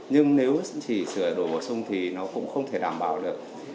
nhưng nếu chỉ sửa đổi bổ sung thì nó cũng không thể đảm bảo được